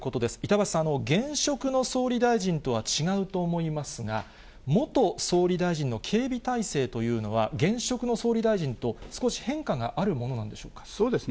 板橋さん、現職の総理大臣とは違うと思いますが、元総理大臣の警備体制というのは、現職の総理大臣と少し変化があるものなんでしょうか。